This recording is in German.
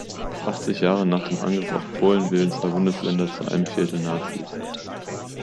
Achtzig Jahre nach dem Angriff auf Polen wählen zwei Bundesländer zu einem Viertel Nazis.